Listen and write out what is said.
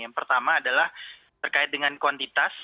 yang pertama adalah terkait dengan kuantitas